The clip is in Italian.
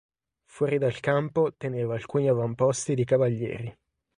Fuori dal campo teneva alcuni avamposti di cavalieri.